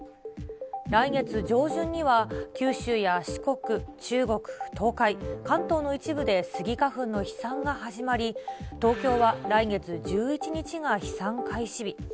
来月上旬には九州や四国、中国、東海、関東の一部でスギ花粉の飛散が始まり、東京は来月１１日が飛散開始日。